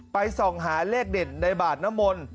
ส่องหาเลขเด่นในบาทนมล